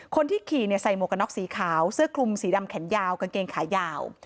คนที่ขี่ใส่หมวกกันน็อกสีขาวเสื้อคลุมสีดำแขนยาวกางเกงขายาว